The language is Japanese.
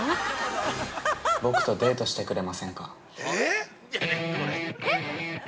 ◆僕とデートしてくれませんか。